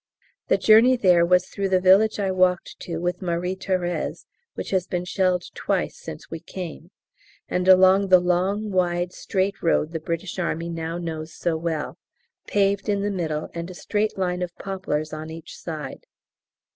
The journey there was through the village I walked to with Marie Thérèse (which has been shelled twice since we came), and along the long, wide, straight road the British Army now knows so well paved in the middle and a straight line of poplars on each side.